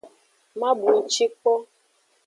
Ma bunci kpo.